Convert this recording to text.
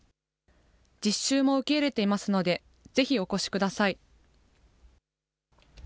実習も受け入れていますので、ぜひお越しください。